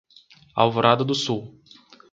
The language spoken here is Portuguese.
Alvorada do Sul